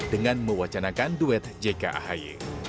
dengan mewacanakan duet jk ahy